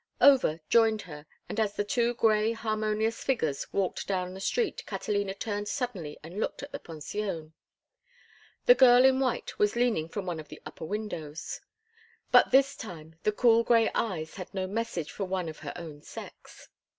Over joined her, and as the two gray, harmonious figures walked down the street Catalina turned suddenly and looked at the pension. The girl in white was leaning from one of the upper windows. But this time the cool gray eyes had no message for one of her own sex.